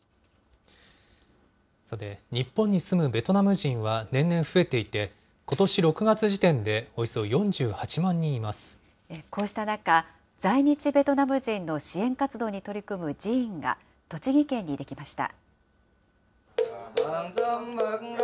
さて、日本に住むベトナム人は年々増えていて、ことし６月時点でおよそこうした中、在日ベトナム人の支援活動に取り組む寺院が、栃木県に出来ました。